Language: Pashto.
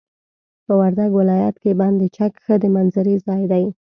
په وردګ ولايت کي بند چک ښه د منظرې ځاي دي.